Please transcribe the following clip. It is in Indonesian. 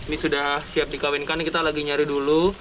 ini sudah siap dikawinkan kita lagi nyari dulu